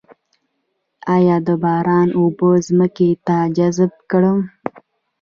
آیا د باران اوبه ځمکې ته جذب کړم؟